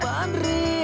poi pengen gue sih